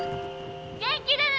元気でね！